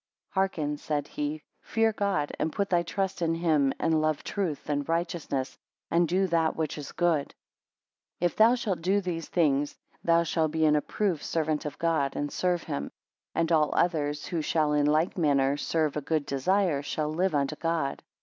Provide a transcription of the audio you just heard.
Hearken, said he, Fear God, and put thy trust in him, and love truth, and righteousness, and do that which is good. 10 If thou shalt do these things, thou shall be an approved servant of God, and serve him; and all others who shall in like manner serve a good desire, shall live unto God.